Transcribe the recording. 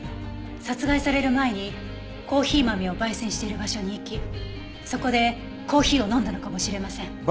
殺害される前にコーヒー豆を焙煎している場所に行きそこでコーヒーを飲んだのかもしれません。